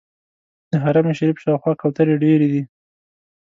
د حرم شریف شاوخوا کوترې ډېرې دي.